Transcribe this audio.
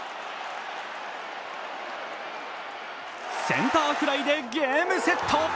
センターフライでゲームセット。